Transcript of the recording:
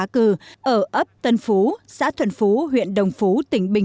cà phê trồn